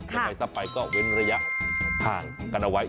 ถ้าใครซักไปก็เว้นระยะผ่านกันเอาไว้